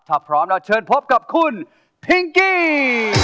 ถ้าพร้อมแล้วเชิญพบกับคุณพิงกี้